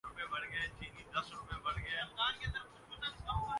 Asia cup کا final کون کھیلے گا پاکستان اور بنگلہ دیش مدمقابل